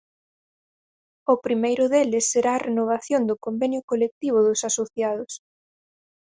O primeiro deles será a renovación do convenio colectivo dos asociados.